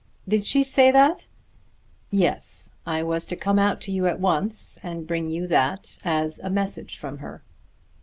"Did she say that?" "Yes; I was to come out to you at once, and bring you that as a message from her."